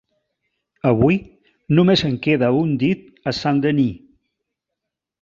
Avui, només en queda un dit a Saint-Denis.